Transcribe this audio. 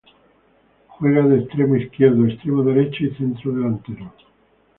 Juega de extremo izquierdo, extremo derecho, y centrodelantero.